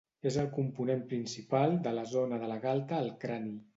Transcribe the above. És el component principal de la zona de la galta al crani.